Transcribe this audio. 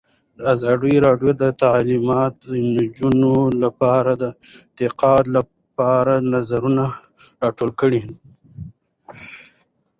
ازادي راډیو د تعلیمات د نجونو لپاره د ارتقا لپاره نظرونه راټول کړي.